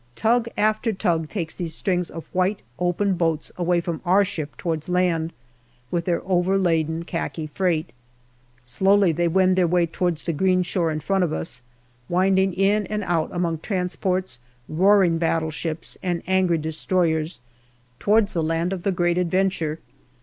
Tug after tug takes these strings of white open boats away from our ship towards land, with their overladen khaki freight. Slowly they wend their way towards the green shore in front of us, winding in and out among transports, roaring battleships, and angry 32 GALLIPOLI DIARY destroyers, towards the land of the Great Adventure.